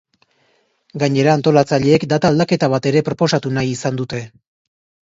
Gainera, antolatzaileek data aldaketa bat ere proposatu nahi izan dute.